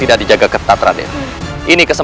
dan sekarang musuhkannya sudah menangkap adik ee